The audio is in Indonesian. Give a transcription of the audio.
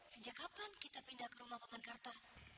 sejak kapan kita pindah ke rumah pangan karta